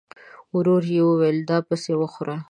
ورو يې وويل: دا پسې وخوره!